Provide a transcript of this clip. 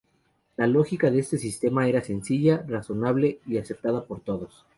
La lógica de este sistema era sencilla, razonable y aceptada por todos.